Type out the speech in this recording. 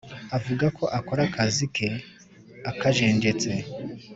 avuga ko akora akazi ke akajenjetse